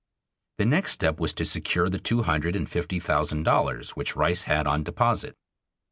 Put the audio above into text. The next step was to secure the two hundred and fifty thousand dollars which Rice had on deposit.